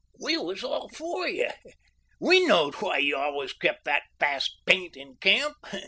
We was all for you. We knowed why you always kept that fast paint in camp.